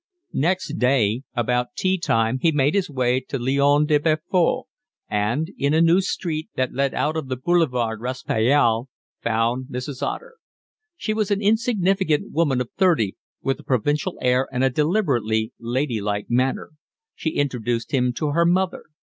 Next day about tea time he made his way to the Lion de Belfort, and in a new street that led out of the Boulevard Raspail found Mrs. Otter. She was an insignificant woman of thirty, with a provincial air and a deliberately lady like manner; she introduced him to her mother.